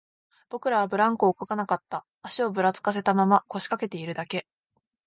僕らはブランコをこがなかった、足をぶらつかせたまま、腰掛けているだけ